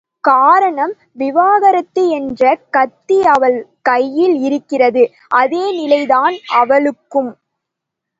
காரணம் விவாகரத்து என்ற கத்தி அவள் கையில் இருக்கிறது, அதே நிலை தான் அவளுக்கும்.